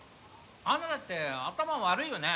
杏奈だって頭悪いよね